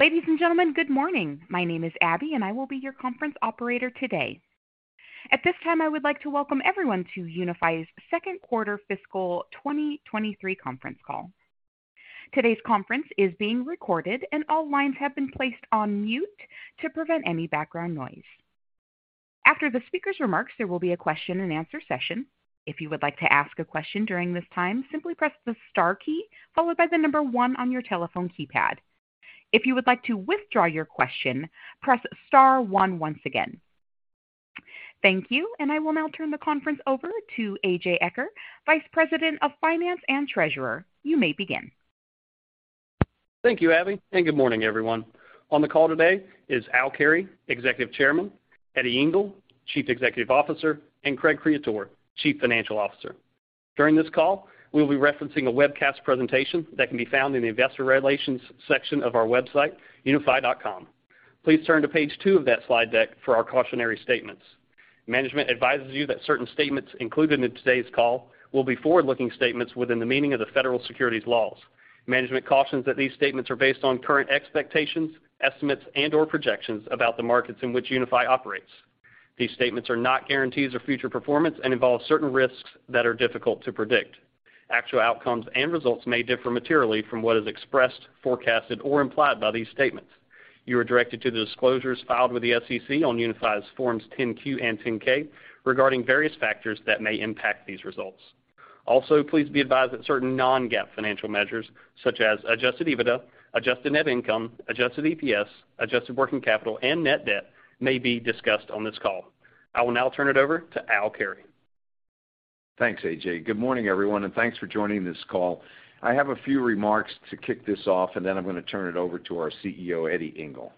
Ladies and gentlemen, good morning. My name is Abby, and I will be your conference operator today. At this time, I would like to welcome everyone to Unifi's second quarter fiscal 2023 conference call. Today's conference is being recorded and all lines have been placed on mute to prevent any background noise. After the speaker's remarks, there will be a question and answer session. If you would like to ask a question during this time, simply press the star key followed by one on your telephone keypad. If you would like to withdraw your question, press star one once again. Thank you, and I will now turn the conference over to A.J. Eaker, Vice President of Finance and Treasurer. You may begin. Thank you, Abby, and good morning, everyone. On the call today is Al Carey, Executive Chairman, Eddie Ingle, Chief Executive Officer, and Craig Creaturo, Chief Financial Officer. During this call, we'll be referencing a webcast presentation that can be found in the investor relations section of our website, unifi.com. Please turn to page two of that slide deck for our cautionary statements. Management advises you that certain statements included in today's call will be forward-looking statements within the meaning of the Federal securities laws. Management cautions that these statements are based on current expectations, estimates, and/or projections about the markets in which Unifi operates. These statements are not guarantees of future performance and involve certain risks that are difficult to predict. Actual outcomes and results may differ materially from what is expressed, forecasted, or implied by these statements. You are directed to the disclosures filed with the SEC on Unifi's Form 10-Q and Form 10-K regarding various factors that may impact these results. Please be advised that certain non-GAAP financial measures such as adjusted EBITDA, adjusted Net Income, adjusted EPS, adjusted Working Capital, and Net Debt may be discussed on this call. I will now turn it over to Al Carey. Thanks, A.J.. Good morning, everyone, and thanks for joining this call. I have a few remarks to kick this off, and then I'm gonna turn it over to our CEO, Eddie Ingle.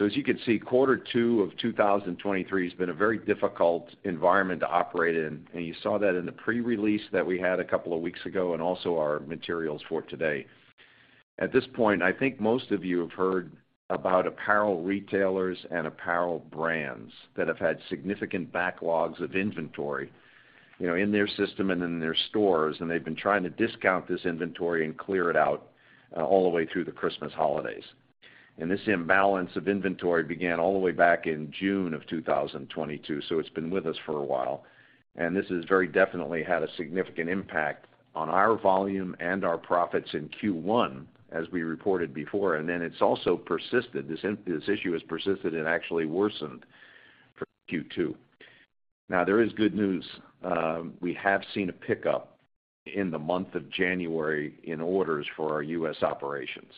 As you can see, quarter two of 2023 has been a very difficult environment to operate in. You saw that in the pre-release that we had a couple of weeks ago and also our materials for today. At this point, I think most of you have heard about apparel retailers and apparel brands that have had significant backlogs of inventory, you know, in their system and in their stores. They've been trying to discount this inventory and clear it out all the way through the Christmas holidays. This imbalance of inventory began all the way back in June of 2022, so it's been with us for a while. This has very definitely had a significant impact on our volume and our profits in Q1, as we reported before, and then it's also persisted. This issue has persisted and actually worsened for Q2. There is good news. We have seen a pickup in the month of January in orders for our U.S. operations.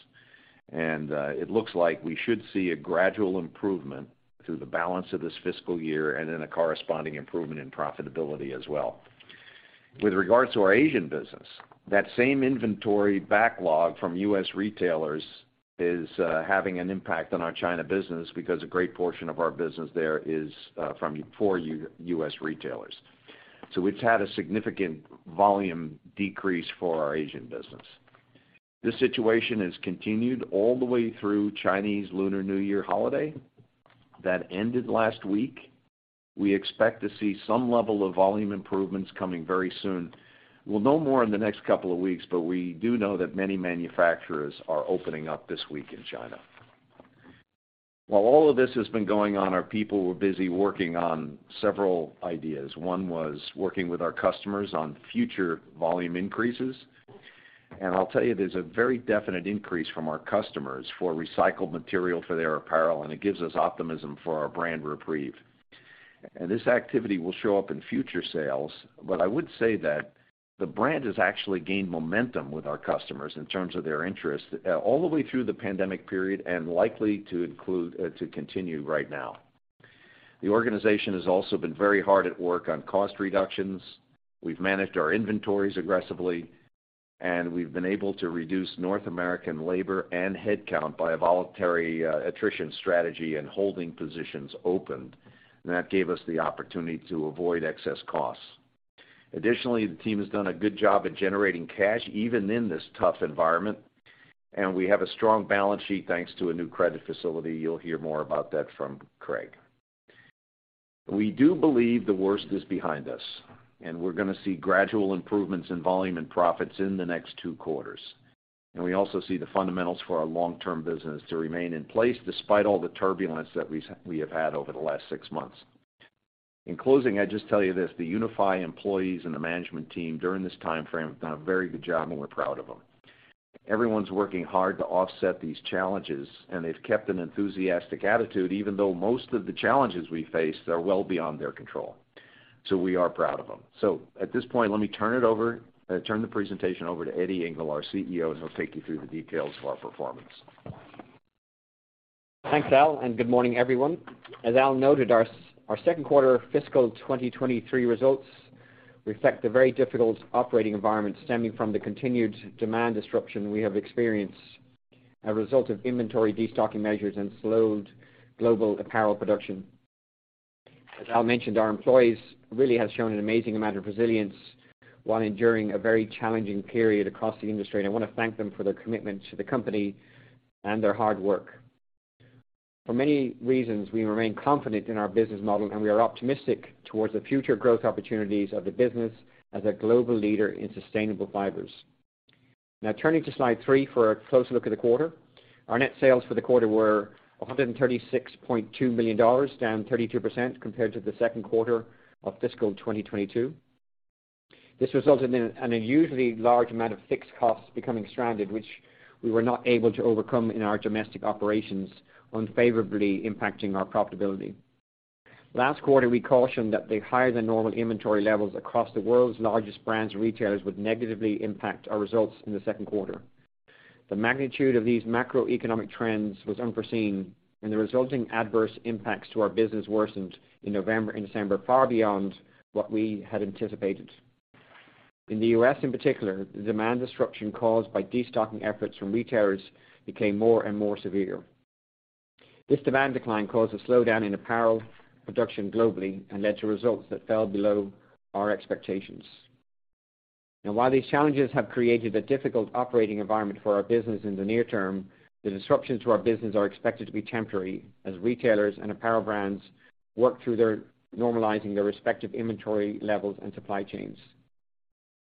It looks like we should see a gradual improvement through the balance of this fiscal year and then a corresponding improvement in profitability as well. With regards to our Asian business, that same inventory backlog from U.S. retailers is having an impact on our China business because a great portion of our business there is from, for U.S. retailers. It's had a significant volume decrease for our Asian business. This situation has continued all the way through Chinese Lunar New Year holiday that ended last week. We expect to see some level of volume improvements coming very soon. We'll know more in the next couple of weeks. We do know that many manufacturers are opening up this week in China. While all of this has been going on, our people were busy working on several ideas. One was working with our customers on future volume increases. I'll tell you, there's a very definite increase from our customers for recycled material for their apparel, and it gives us optimism for our brand REPREVE. This activity will show up in future sales. I would say that the brand has actually gained momentum with our customers in terms of their interest all the way through the pandemic period and likely to continue right now. The organization has also been very hard at work on cost reductions. We've managed our inventories aggressively, and we've been able to reduce North American labor and headcount by a voluntary attrition strategy and holding positions opened. That gave us the opportunity to avoid excess costs. Additionally, the team has done a good job at generating cash, even in this tough environment, and we have a strong balance sheet thanks to a new credit facility. You'll hear more about that from Craig Creaturo. We do believe the worst is behind us, and we're gonna see gradual improvements in volume and profits in the next two quarters. We also see the fundamentals for our long-term business to remain in place despite all the turbulence that we have had over the last six months. In closing, I just tell you this. The Unifi employees and the management team during this timeframe have done a very good job, and we're proud of them. Everyone's working hard to offset these challenges, and they've kept an enthusiastic attitude, even though most of the challenges we face are well beyond their control. We are proud of them. At this point, let me turn the presentation over to Eddie Ingle, our CEO, as he'll take you through the details of our performance. Thanks, Al. Good morning, everyone. As Al noted, our second quarter fiscal 2023 results reflect the very difficult operating environment stemming from the continued demand disruption we have experienced a result of inventory destocking measures and slowed global apparel production. As Al mentioned, our employees really have shown an amazing amount of resilience while enduring a very challenging period across the industry. I wanna thank them for their commitment to the company and their hard work. For many reasons, we remain confident in our business model. We are optimistic towards the future growth opportunities of the business as a global leader in sustainable fibers. Turning to slide three for a close look at the quarter. Our net sales for the quarter were $136.2 million, down 32% compared to the second quarter of fiscal 2022. This resulted in an unusually large amount of fixed costs becoming stranded, which we were not able to overcome in our domestic operations, unfavorably impacting our profitability. Last quarter, we cautioned that the higher than normal inventory levels across the world's largest brands and retailers would negatively impact our results in the second quarter. The magnitude of these macroeconomic trends was unforeseen. The resulting adverse impacts to our business worsened in November and December, far beyond what we had anticipated. In the U.S. in particular, the demand disruption caused by destocking efforts from retailers became more and more severe. This demand decline caused a slowdown in apparel production globally and led to results that fell below our expectations. Now, while these challenges have created a difficult operating environment for our business in the near term, the disruptions to our business are expected to be temporary as retailers and apparel brands work through their normalizing their respective inventory levels and supply chains.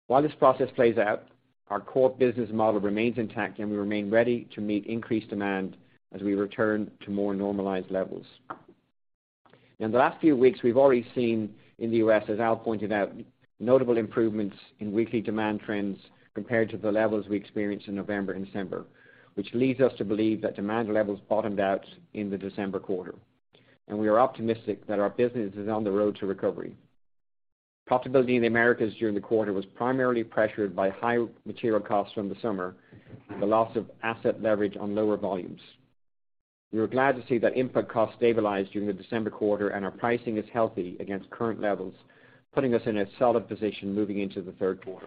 While this process plays out, our core business model remains intact, and we remain ready to meet increased demand as we return to more normalized levels. In the last few weeks, we've already seen in the U.S., as Al pointed out, notable improvements in weekly demand trends compared to the levels we experienced in November and December, which leads us to believe that demand levels bottomed out in the December quarter. We are optimistic that our business is on the road to recovery. Profitability in the Americas during the quarter was primarily pressured by high material costs from the summer, the loss of asset leverage on lower volumes. We were glad to see that input costs stabilized during the December quarter and our pricing is healthy against current levels, putting us in a solid position moving into the third quarter.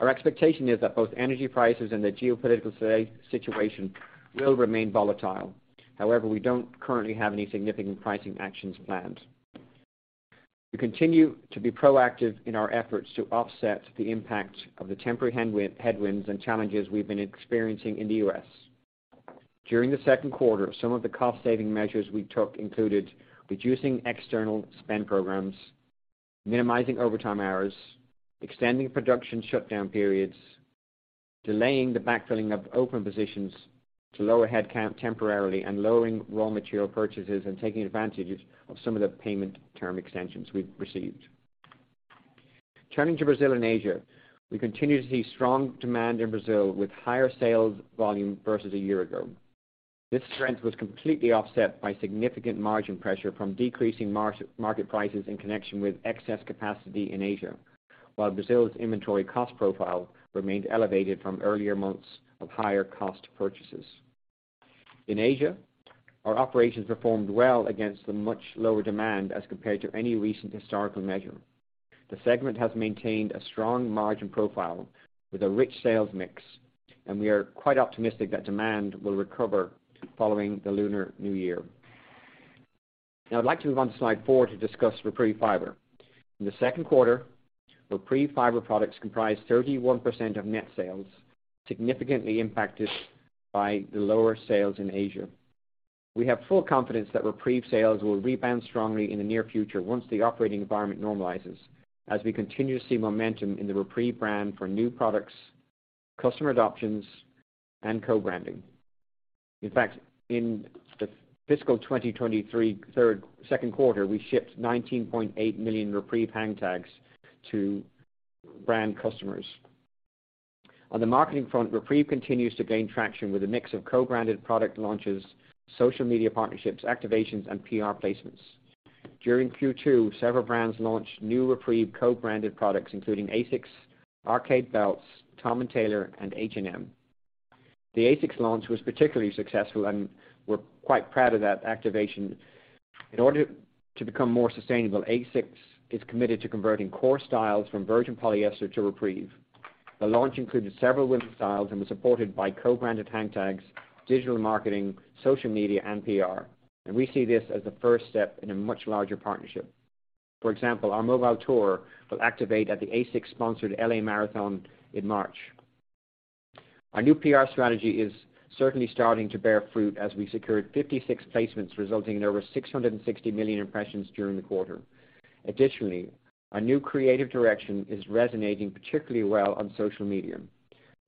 Our expectation is that both energy prices and the geopolitical situation will remain volatile. However, we don't currently have any significant pricing actions planned. We continue to be proactive in our efforts to offset the impact of the temporary headwinds and challenges we've been experiencing in the U.S. During the second quarter, some of the cost-saving measures we took included reducing external spend programs, minimizing overtime hours, extending production shutdown periods, delaying the backfilling of open positions to lower headcount temporarily, and lowering raw material purchases and taking advantage of some of the payment term extensions we've received. Turning to Brazil and Asia, we continue to see strong demand in Brazil with higher sales volume versus a year ago. This strength was completely offset by significant margin pressure from decreasing market prices in connection with excess capacity in Asia, while Brazil's inventory cost profile remained elevated from earlier months of higher cost purchases. In Asia, our operations performed well against the much lower demand as compared to any recent historical measure. The segment has maintained a strong margin profile with a rich sales mix. We are quite optimistic that demand will recover following the Lunar New Year. Now I'd like to move on to slide four to discuss REPREVE Fiber. In the second quarter, REPREVE Fiber products comprised 31% of net sales, significantly impacted by the lower sales in Asia. We have full confidence that REPREVE sales will rebound strongly in the near future once the operating environment normalizes as we continue to see momentum in the REPREVE brand for new products, customer adoptions, and co-branding. In fact, in the fiscal 2023 second quarter, we shipped 19.8 million REPREVE hangtags to brand customers. On the marketing front, REPREVE continues to gain traction with a mix of co-branded product launches, social media partnerships, activations, and PR placements. During Q2, several brands launched new REPREVE co-branded products, including ASICS, Arcade Belts, Tom Tailor, and H&M. The ASICS launch was particularly successful, and we're quite proud of that activation. In order to become more sustainable, ASICS is committed to converting core styles from virgin polyester to REPREVE. The launch included several women's styles and was supported by co-branded hang tags, digital marketing, social media, and PR. We see this as the first step in a much larger partnership. For example, our mobile tour will activate at the ASICS sponsored L.A. Marathon in March. Our new PR strategy is certainly starting to bear fruit as we secured 56 placements, resulting in over 660 million impressions during the quarter. Additionally, our new creative direction is resonating particularly well on social media.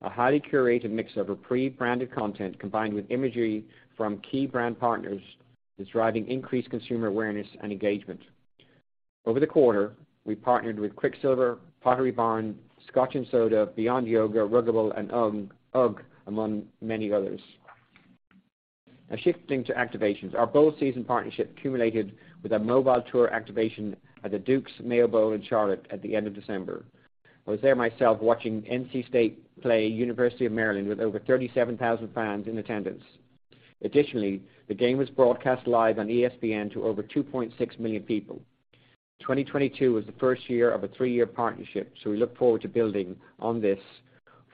A highly curated mix of REPREVE branded content combined with imagery from key brand partners is driving increased consumer awareness and engagement. Over the quarter, we partnered with Quiksilver, Pottery Barn, Scotch & Soda, Beyond Yoga, Ruggable, and UGG among many others. Shifting to activations. Our bowl season partnership culminated with a mobile tour activation at the Duke's Mayo Bowl in Charlotte at the end of December. I was there myself watching NC State play University of Maryland with over 37,000 fans in attendance. The game was broadcast live on ESPN to over 2.6 million people. 2022 was the first year of a three-year partnership, we look forward to building on this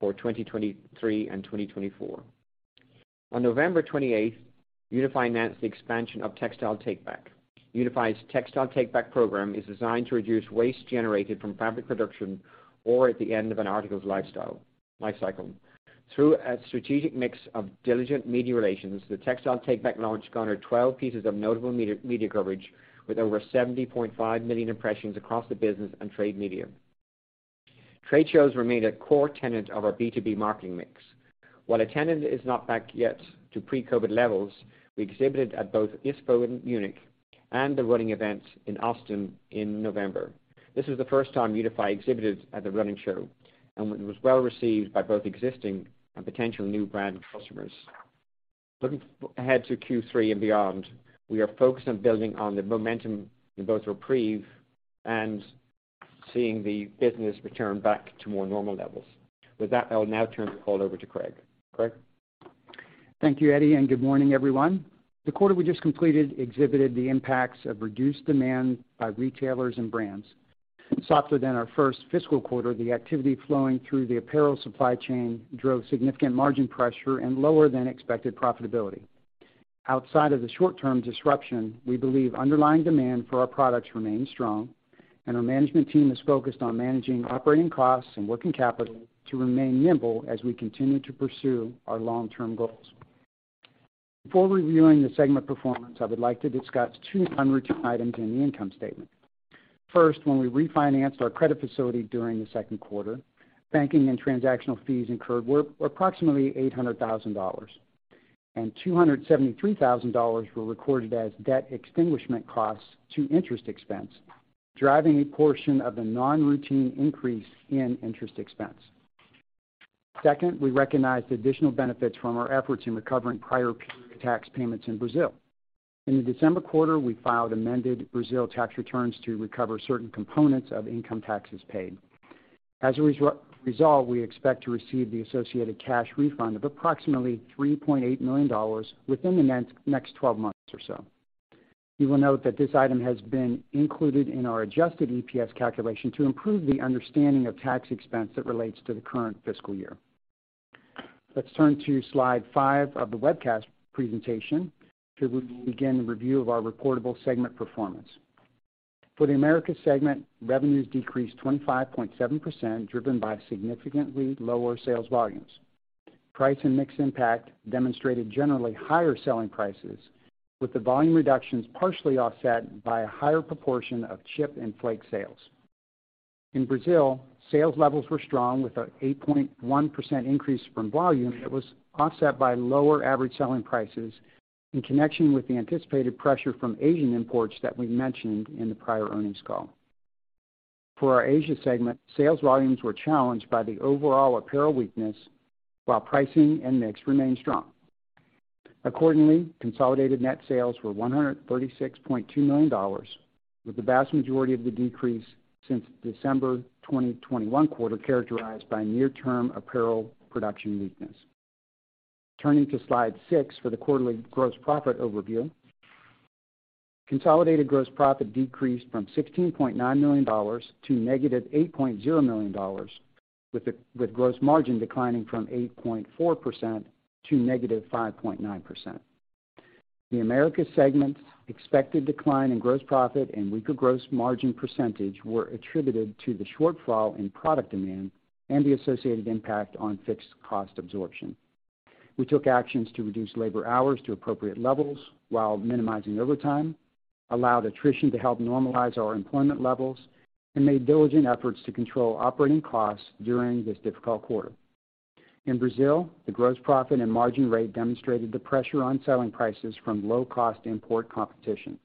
for 2023 and 2024. On November 28th, Unifi announced the expansion of Textile Takeback. Unifi's Textile Takeback program is designed to reduce waste generated from fabric production or at the end of an article's lifecycle. Through a strategic mix of diligent media relations, the Textile Takeback launch garnered 12 pieces of notable media coverage, with over 70.5 million impressions across the business and trade media. Trade shows remain a core tenet of our B2B marketing mix. While attendance is not back yet to pre-COVID levels, we exhibited at both ISPO in Munich and the Running Event in Austin in November. This is the first time Unifi exhibited at the Running Event and it was well-received by both existing and potential new brand customers. Looking ahead to Q3 and beyond, we are focused on building on the momentum in both REPREVE and seeing the business return back to more normal levels. With that, I will now turn the call over to Craig. Craig? Thank you, Eddie. Good morning, everyone. The quarter we just completed exhibited the impacts of reduced demand by retailers and brands. Softer than our first fiscal quarter, the activity flowing through the apparel supply chain drove significant margin pressure and lower than expected profitability. Outside of the short-term disruption, we believe underlying demand for our products remains strong, and our management team is focused on managing operating costs and working capital to remain nimble as we continue to pursue our long-term goals. Before reviewing the segment performance, I would like to discuss two non-routine items in the income statement. First, when we refinanced our credit facility during the second quarter, banking and transactional fees incurred were approximately $800,000, and $273,000 were recorded as debt extinguishment costs to interest expense, driving a portion of the non-routine increase in interest expense. Second, we recognized additional benefits from our efforts in recovering prior period tax payments in Brazil. In the December quarter, we filed amended Brazil tax returns to recover certain components of income taxes paid. As a result, we expect to receive the associated cash refund of approximately $3.8 million within the next 12 months or so. You will note that this item has been included in our adjusted EPS calculation to improve the understanding of tax expense that relates to the current fiscal year. Let's turn to slide 5 of the webcast presentation to begin the review of our reportable segment performance. For the America segment, revenues decreased 25.7%, driven by significantly lower sales volumes. Price and mix impact demonstrated generally higher selling prices, with the volume reductions partially offset by a higher proportion of chip and flake sales. In Brazil, sales levels were strong, with an 8.1% increase from volume that was offset by lower average selling prices in connection with the anticipated pressure from Asian imports that we mentioned in the prior earnings call. For our Asia segment, sales volumes were challenged by the overall apparel weakness, while pricing and mix remained strong. Accordingly, consolidated net sales were $136.2 million, with the vast majority of the decrease since December 2021 quarter characterized by near-term apparel production weakness. Turning to slide 6 for the quarterly gross profit overview. Consolidated gross profit decreased from $16.9 million to negative $8.0 million, with gross margin declining from 8.4% to -5.9%. The Americas segment's expected decline in gross profit and weaker gross margin percentage were attributed to the shortfall in product demand and the associated impact on fixed cost absorption. We took actions to reduce labor hours to appropriate levels while minimizing overtime, allowed attrition to help normalize our employment levels, and made diligent efforts to control operating costs during this difficult quarter. In Brazil, the gross profit and margin rate demonstrated the pressure on selling prices from low-cost import competition.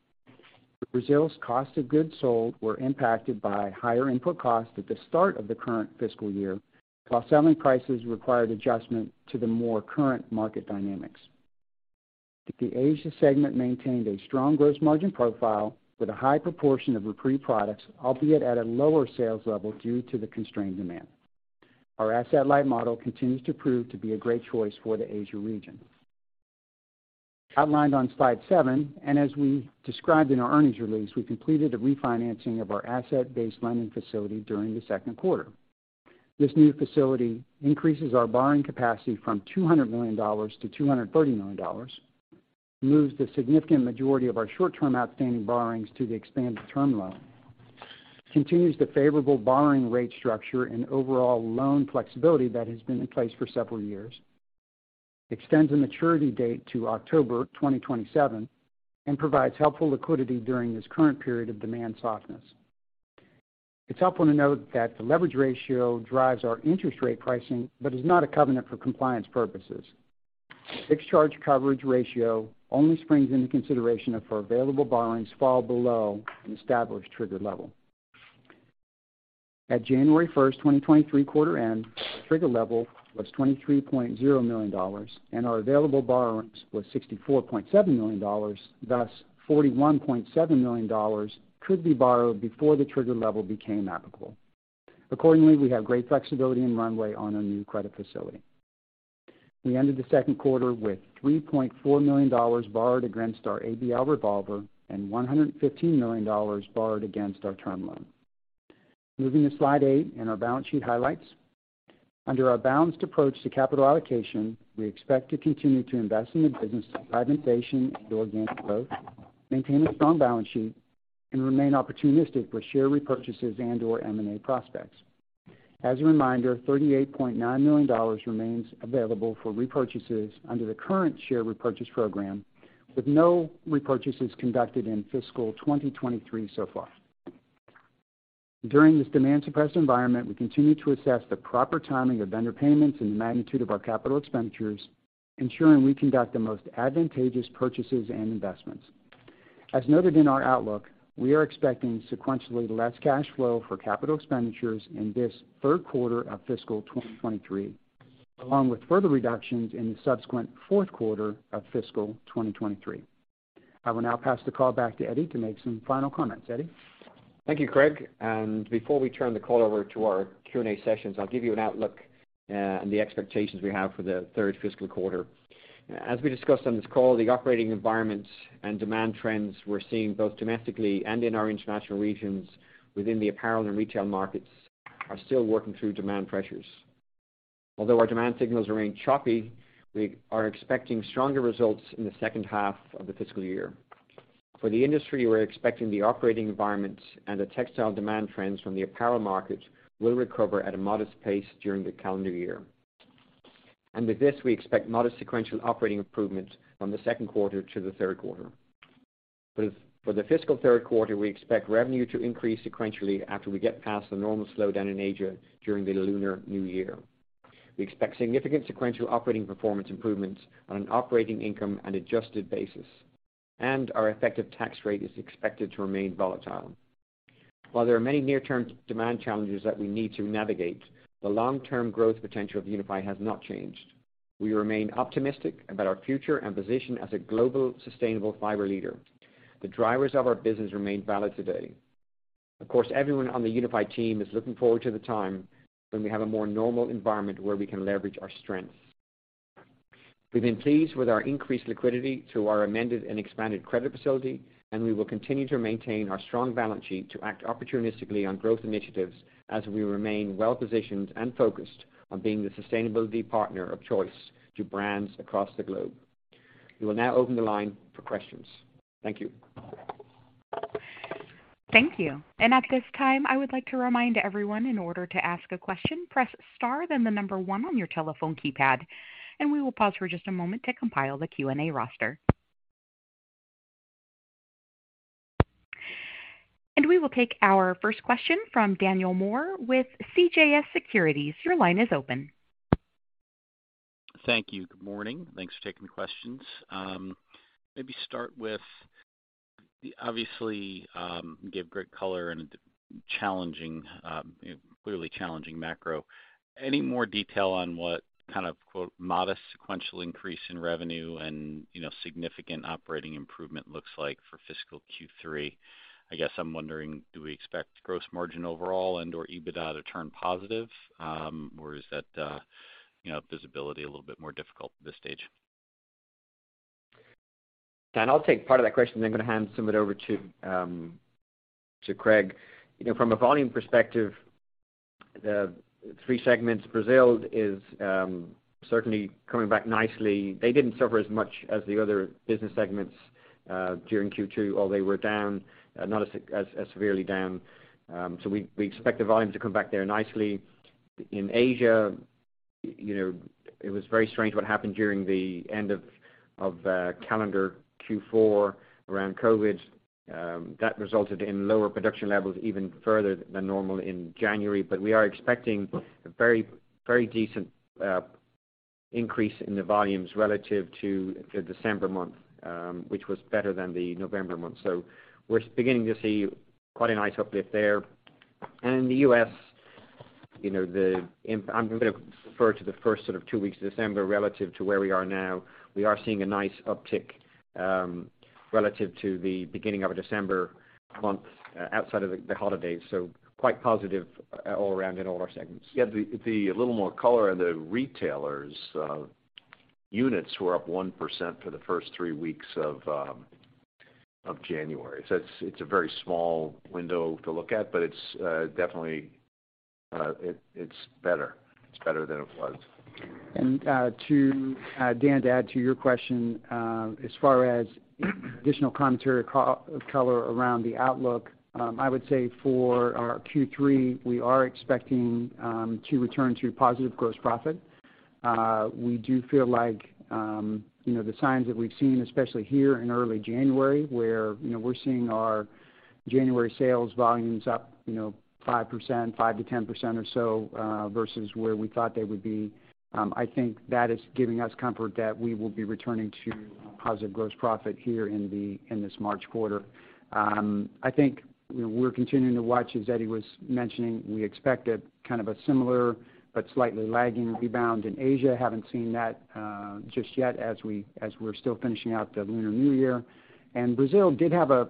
Brazil's cost of goods sold were impacted by higher input costs at the start of the current fiscal year, while selling prices required adjustment to the more current market dynamics. The Asia segment maintained a strong gross margin profile with a high proportion of REPREVE products, albeit at a lower sales level due to the constrained demand. Our asset-light model continues to prove to be a great choice for the Asia region. Outlined on slide 7, and as we described in our earnings release, we completed the refinancing of our asset-based lending facility during the second quarter. This new facility increases our borrowing capacity from $200 million-$230 million, moves the significant majority of our short-term outstanding borrowings to the expanded term loan, continues the favorable borrowing rate structure and overall loan flexibility that has been in place for several years, extends the maturity date to October 2027, and provides helpful liquidity during this current period of demand softness. It's helpful to note that the leverage ratio drives our interest rate pricing but is not a covenant for compliance purposes. Fixed charge coverage ratio only springs into consideration if our available borrowings fall below an established trigger level. At January 1st, 2023 quarter end, the trigger level was $23.0 million, and our available borrowings was $64.7 million. Thus, $41.7 million could be borrowed before the trigger level became applicable. Accordingly, we have great flexibility and runway on our new credit facility. We ended the second quarter with $3.4 million borrowed against our ABL revolver and $115 million borrowed against our term loan. Moving to Slide 8 and our balance sheet highlights. Under our balanced approach to capital allocation, we expect to continue to invest in the business through price inflation and organic growth, maintain a strong balance sheet, and remain opportunistic for share repurchases and/or M&A prospects. As a reminder, $38.9 million remains available for repurchases under the current share repurchase program, with no repurchases conducted in fiscal 2023 so far. During this demand-suppressed environment, we continue to assess the proper timing of vendor payments and the magnitude of our capital expenditures, ensuring we conduct the most advantageous purchases and investments. As noted in our outlook, we are expecting sequentially less cash flow for capital expenditures in this third quarter of fiscal 2023, along with further reductions in the subsequent fourth quarter of fiscal 2023. I will now pass the call back to Eddie to make some final comments. Eddie? Thank you, Craig. Before we turn the call over to our Q&A sessions, I'll give you an outlook on the expectations we have for the third fiscal quarter. As we discussed on this call, the operating environment and demand trends we're seeing both domestically and in our international regions within the apparel and retail markets are still working through demand pressures. Although our demand signals remain choppy, we are expecting stronger results in the second half of the fiscal year. For the industry, we're expecting the operating environment and the textile demand trends from the apparel market will recover at a modest pace during the calendar year. With this, we expect modest sequential operating improvement from the second quarter to the third quarter. For the fiscal third quarter, we expect revenue to increase sequentially after we get past the normal slowdown in Asia during the Lunar New Year. We expect significant sequential operating performance improvements on an operating income and adjusted basis. Our effective tax rate is expected to remain volatile. While there are many near-term demand challenges that we need to navigate, the long-term growth potential of Unifi has not changed. We remain optimistic about our future and position as a global sustainable fiber leader. The drivers of our business remain valid today. Of course, everyone on the Unifi team is looking forward to the time when we have a more normal environment where we can leverage our strengths. We've been pleased with our increased liquidity through our amended and expanded credit facility, and we will continue to maintain our strong balance sheet to act opportunistically on growth initiatives as we remain well positioned and focused on being the sustainability partner of choice to brands across the globe. We will now open the line for questions. Thank you. Thank you. At this time, I would like to remind everyone, in order to ask a question, press star then one on your telephone keypad. We will pause for just a moment to compile the Q&A roster. We will take our first question from Daniel Moore with CJS Securities. Your line is open. Thank you. Good morning. Thanks for taking the questions. maybe start with obviously give great color and challenging clearly challenging macro. Any more detail on what kind of, quote, modest sequential increase in revenue and, you know, significant operating improvement looks like for fiscal Q3? I guess I'm wondering, do we expect gross margin overall and/or EBITDA to turn positive, or is that, you know, visibility a little bit more difficult at this stage? Dan, I'll take part of that question, then I'm gonna hand some of it over to Craig. You know, from a volume perspective, the three segments, Brazil is certainly coming back nicely. They didn't suffer as much as the other business segments during Q2. While they were down, not as severely down. So we expect the volumes to come back there nicely. In Asia, you know, it was very strange what happened during the end of calendar Q4 around COVID. That resulted in lower production levels even further than normal in January. We are expecting a very decent increase in the volumes relative to the December month, which was better than the November month. We're beginning to see quite a nice uplift there. In the U.S., you know, I'm gonna refer to the first sort of two weeks of December relative to where we are now. We are seeing a nice uptick, relative to the beginning of December month outside of the holidays. Quite positive, all around in all our segments. The little more color on the retailers, units were up 1% for the first three weeks of January. It's a very small window to look at, but it's definitely better. It's better than it was. To Dan, to add to your question, as far as additional commentary color around the outlook, I would say for our Q3, we are expecting to return to positive gross profit. We do feel like, you know, the signs that we've seen, especially here in early January, where, you know, we're seeing our January sales volumes up, you know, 5%, 5%-10% or so, versus where we thought they would be. I think that is giving us comfort that we will be returning to positive gross profit here in this March quarter. I think, you know, we're continuing to watch, as Eddie was mentioning, we expect a kind of a similar but slightly lagging rebound in Asia. Haven't seen that just yet as we're still finishing out the Lunar New Year. Brazil did have a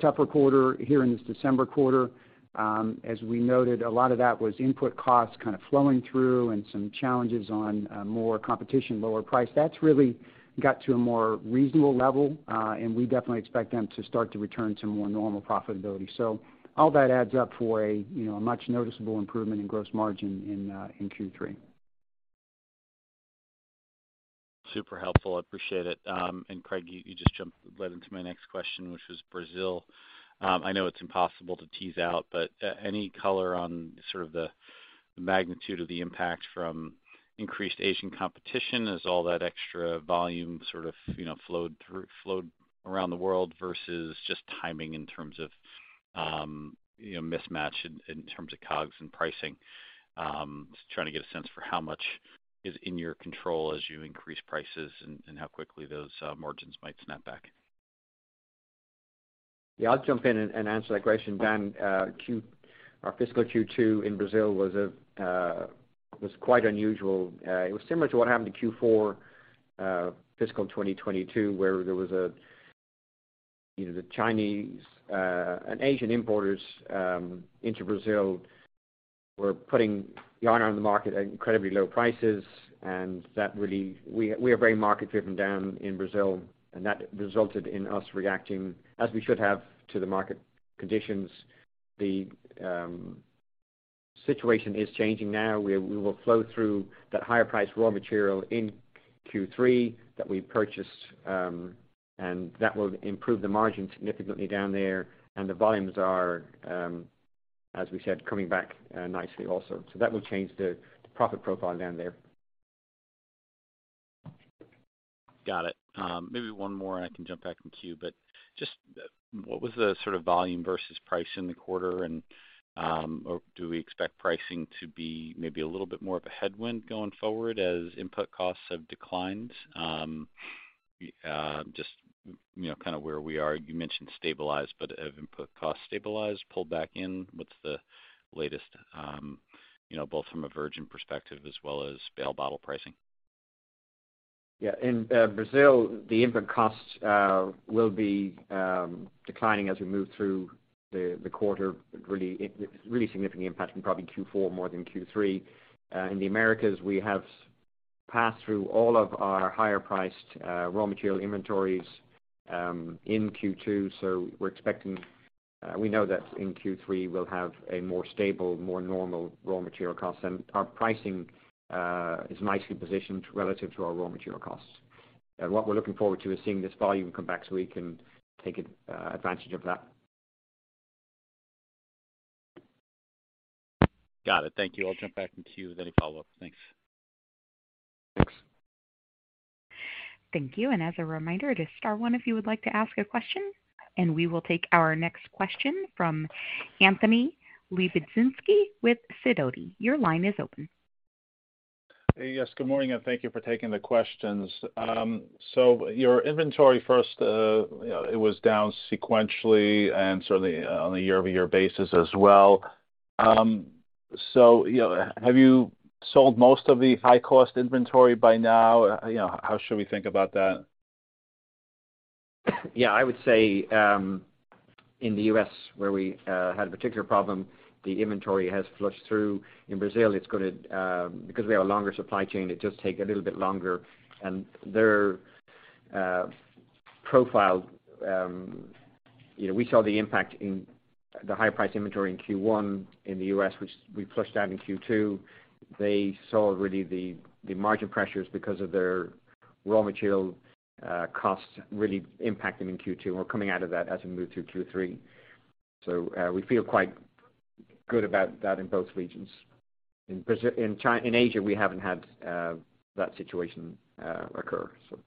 tougher quarter here in this December quarter. As we noted, a lot of that was input costs kind of flowing through and some challenges on more competition, lower price. That's really got to a more reasonable level, and we definitely expect them to start to return to more normal profitability. All that adds up for a, you know, a much noticeable improvement in gross margin in Q3. Super helpful. I appreciate it. Craig, you just jumped right into my next question, which was Brazil. I know it's impossible to tease out, but any color on sort of the magnitude of the impact from increased Asian competition as all that extra volume sort of, you know, flowed around the world versus just timing in terms of, you know, mismatch in terms of COGS and pricing. Just trying to get a sense for how much is in your control as you increase prices and how quickly those margins might snap back. I'll jump in and answer that question, Dan. Our fiscal Q2 in Brazil was quite unusual. It was similar to what happened to Q4, fiscal 2022, where there was, you know, the Chinese and Asian importers into Brazil were putting yarn on the market at incredibly low prices. We are very market-driven down in Brazil, and that resulted in us reacting as we should have to the market conditions. The situation is changing now, where we will flow through that higher priced raw material in Q3 that we purchased, and that will improve the margin significantly down there. The volumes are, as we said, coming back nicely also. That will change the profit profile down there. Got it. Maybe one more, and I can jump back in queue. Just what was the sort of volume versus price in the quarter? Or do we expect pricing to be maybe a little bit more of a headwind going forward as input costs have declined? Just, you know, kind of where we are. You mentioned stabilized, but have input costs stabilized, pulled back in? What's the latest, you know, both from a virgin perspective as well as bale bottle pricing? Yeah. In Brazil, the input costs will be declining as we move through the quarter, really significantly impacting probably Q4 more than Q3. In the Americas, we have passed through all of our higher priced raw material inventories in Q2. We know that in Q3 we'll have a more stable, more normal raw material cost. Our pricing is nicely positioned relative to our raw material costs. What we're looking forward to is seeing this volume come back so we can take advantage of that. Got it. Thank you. I'll jump back in queue with any follow-up. Thanks. Thanks. Thank you. As a reminder, it is star one if you would like to ask a question. We will take our next question from Anthony Lebiedzinski with Sidoti. Your line is open. Hey. Yes, good morning, and thank you for taking the questions. Your inventory first, you know, it was down sequentially and certainly on a year-over-year basis as well. You know, have you sold most of the high-cost inventory by now? You know, how should we think about that? Yeah. I would say, in the U.S., where we had a particular problem, the inventory has flushed through. In Brazil, it's gonna, because we have a longer supply chain, it does take a little bit longer. Their profile, you know, we saw the impact in the higher priced inventory in Q1 in the U.S., which we flushed out in Q2. They saw really the margin pressures because of their raw material costs really impacting in Q2. We're coming out of that as we move through Q3. We feel quite good about that in both regions. In Asia, we haven't had that situation occur, so.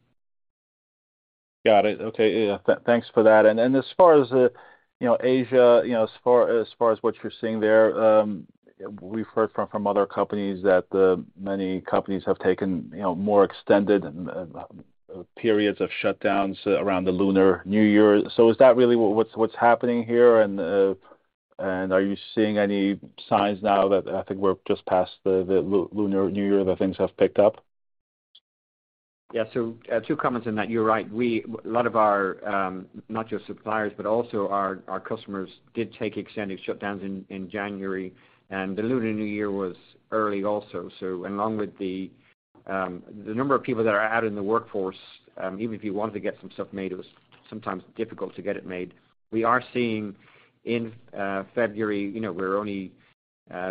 Got it. Okay. Yeah. Thanks for that. As far as, you know, Asia, as far as what you're seeing there, we've heard from other companies that many companies have taken, you know, more extended periods of shutdowns around the Lunar New Year. Is that really what's happening here? Are you seeing any signs now that I think we're just past the Lunar New Year, that things have picked up? Yeah. Two comments on that. You're right. A lot of our, not just suppliers, but also our customers did take extended shutdowns in January. The Lunar New Year was early also. Along with the number of people that are out in the workforce, even if you wanted to get some stuff made, it was sometimes difficult to get it made. We are seeing in February, you know, we're only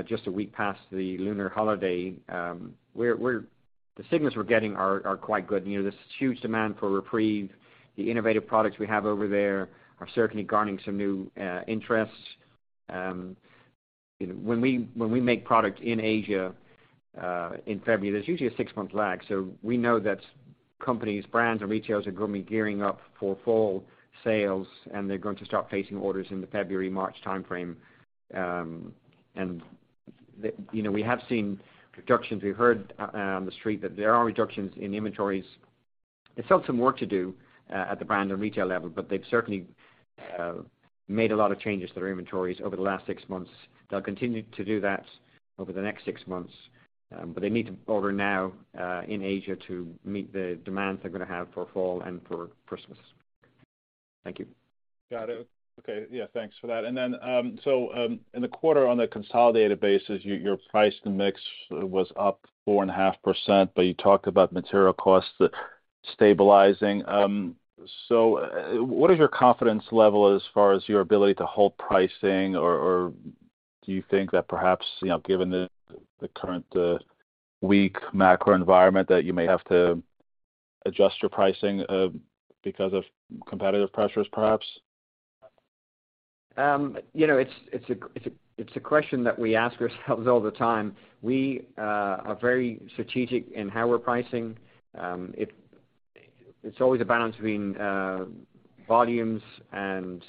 just a week past the Lunar holiday, the signals we're getting are quite good. You know, this huge demand for REPREVE, the innovative products we have over there are certainly garnering some new interests. You know, when we make product in Asia, in February, there's usually a six-month lag. We know that companies, brands and retailers are gonna be gearing up for fall sales, and they're going to start placing orders in the February, March timeframe. You know, we have seen reductions. We've heard on the street that there are reductions in inventories. There's still some work to do at the brand and retail level, but they've certainly made a lot of changes to their inventories over the last six months. They'll continue to do that over the next six months. They need to order now in Asia to meet the demands they're gonna have for fall and for Christmas. Thank you. Got it. Okay. Yeah, thanks for that. In the quarter on a consolidated basis, your price and mix was up 4.5%, but you talked about material costs stabilizing. What is your confidence level as far as your ability to hold pricing or do you think that perhaps, you know, given the current, weak macro environment, that you may have to adjust your pricing, because of competitive pressures, perhaps? You know, it's a question that we ask ourselves all the time. We are very strategic in how we're pricing. It's always a balance between volumes and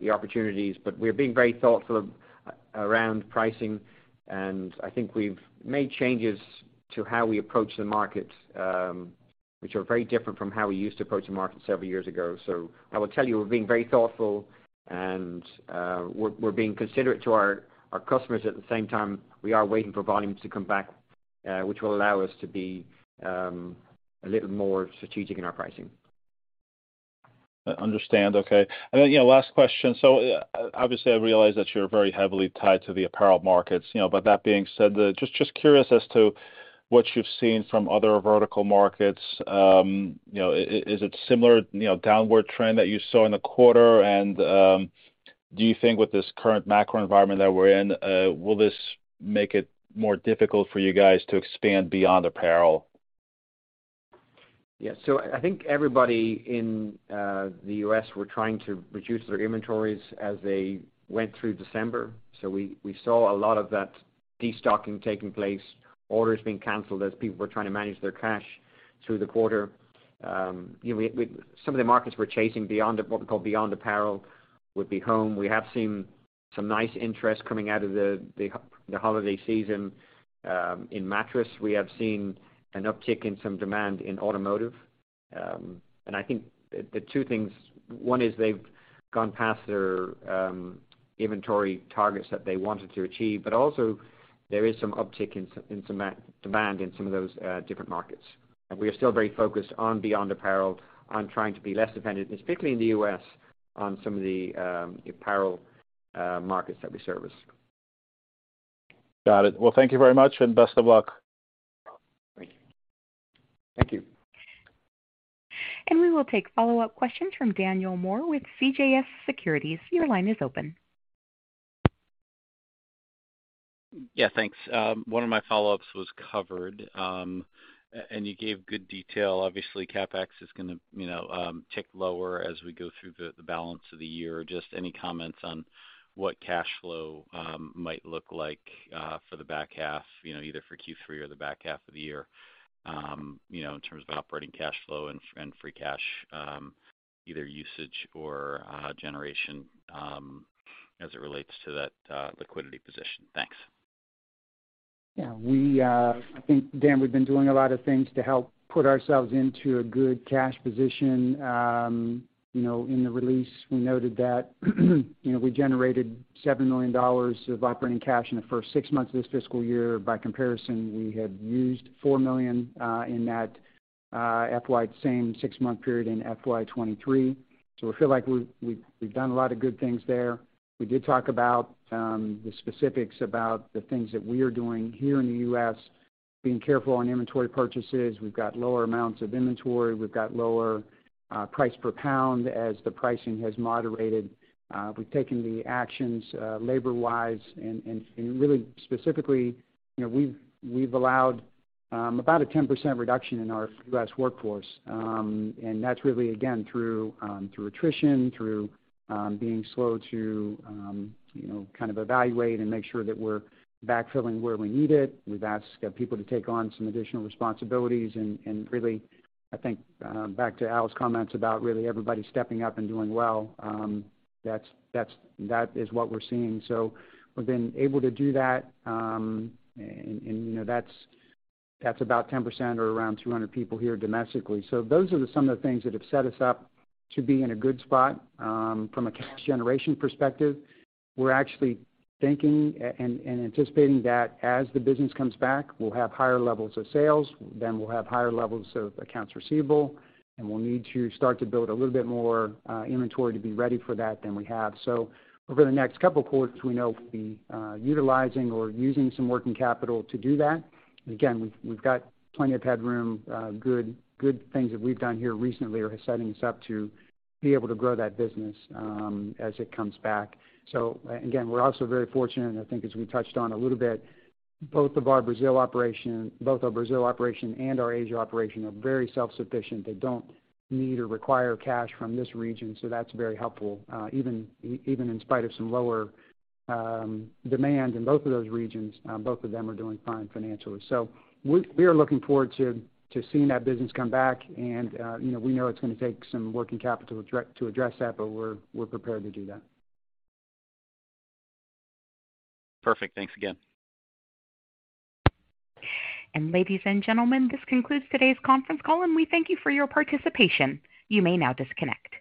the opportunities, but we're being very thoughtful around pricing. I think we've made changes to how we approach the market, which are very different from how we used to approach the market several years ago. I will tell you, we're being very thoughtful, and we're being considerate to our customers. At the same time, we are waiting for volumes to come back, which will allow us to be a little more strategic in our pricing. I understand. Okay. Then, you know, last question. Obviously, I realize that you're very heavily tied to the apparel markets, you know. That being said, just curious as to what you've seen from other vertical markets. You know, is it similar, you know, downward trend that you saw in the quarter? Do you think with this current macro environment that we're in, will this make it more difficult for you guys to expand beyond apparel? Yeah. I think everybody in the U.S. were trying to reduce their inventories as they went through December. We saw a lot of that destocking taking place, orders being canceled as people were trying to manage their cash through the quarter. You know, we some of the markets we're chasing beyond what we call beyond apparel would be home. We have seen some nice interest coming out of the holiday season in mattress. We have seen an uptick in some demand in automotive. I think the two things, one is they've gone past their inventory targets that they wanted to achieve, also there is some uptick in some demand in some of those different markets. We are still very focused on beyond apparel, on trying to be less dependent, and especially in the U.S., on some of the apparel markets that we service. Got it. Well, thank you very much, and best of luck. Thank you. We will take follow-up questions from Daniel Moore with CJS Securities. Your line is open. Thanks. One of my follow-ups was covered, and you gave good detail. Obviously, CapEx is gonna, you know, tick lower as we go through the balance of the year. Any comments on what cash flow might look like for the back half, you know, either for Q3 or the back half of the year, you know, in terms of operating cash flow and free cash either usage or generation as it relates to that liquidity position. Thanks. Yeah. We, I think, Dan, we've been doing a lot of things to help put ourselves into a good cash position. You know, in the release, we noted that, you know, we generated $7 million of operating cash in the first six months of this fiscal year. By comparison, we had used $4 million in that same six-month period in FY 2023. We feel like we've done a lot of good things there. We did talk about the specifics about the things that we are doing here in the U.S., being careful on inventory purchases. We've got lower amounts of inventory. We've got lower price per pound as the pricing has moderated. We've taken the actions, labor-wise and really specifically, you know, we've allowed about a 10% reduction in our U.S. workforce. That's really, again, through attrition, though, being slow to, you know, kind of evaluate and make sure that we're backfilling where we need it. We've asked people to take on some additional responsibilities. Really, I think, back to Al's comments about really everybody stepping up and doing well, that's, that is what we're seeing. We've been able to do that, and, you know, that's about 10% or around 200 people here domestically. Those are some of the things that have set us up to be in a good spot, from a cash generation perspective. We're actually thinking and anticipating that as the business comes back, we'll have higher levels of sales, then we'll have higher levels of accounts receivable, and we'll need to start to build a little bit more inventory to be ready for that than we have. Over the next couple of quarters, we know we'll be utilizing or using some working capital to do that. Again, we've got plenty of headroom. Good things that we've done here recently are setting us up to be able to grow that business, as it comes back. Again, we're also very fortunate, I think as we touched on a little bit, both our Brazil operation and our Asia operation are very self-sufficient. They don't need or require cash from this region, so that's very helpful. Even in spite of some lower demand in both of those regions, both of them are doing fine financially. We are looking forward to seeing that business come back. You know, we know it's gonna take some working capital to address that, but we're prepared to do that. Perfect. Thanks again. Ladies and gentlemen, this concludes today's conference call, and we thank you for your participation. You may now disconnect.